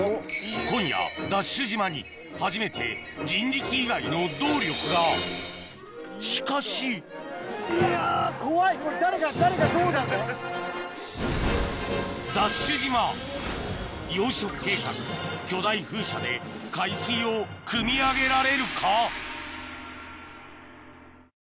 今夜ＤＡＳＨ島に初めて人力以外の動力がしかし養殖計画巨大風車で海水をくみ上げられるか？